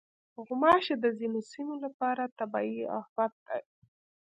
غوماشې د ځینو سیمو لپاره طبعي افت دی.